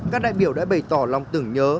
các đại biểu đã bày tỏ lòng tưởng nhớ